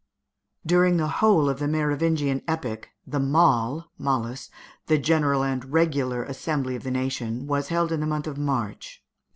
During the whole of the Merovingian epoch, the mahl (mallus), the general and regular assembly of the nation, was held in the month of March.